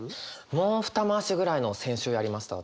もう２回しくらいのを先週やりました私。